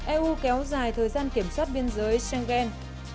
eu kéo dài thời gian kiểm soát biên giới schengen